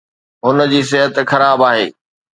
هن جي صحت خراب آهي